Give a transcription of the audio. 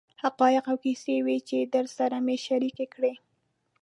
حقایق او کیسې وې چې درسره مې شریکې کړې.